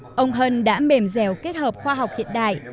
bảo phù hợp với điều kiện đất nước ông hân đã mềm dẻo kết hợp khoa học hiện đại